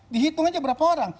dihitung aja berapa orang